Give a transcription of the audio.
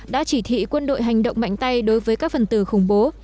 đã chỉ thị quân đội hành động mạnh tay đối với các phần tử khủng bố